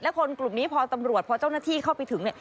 และคนกลุ่มนี้พอตำรวจเพราะเจ้าหน้าที่เข้าไปถึง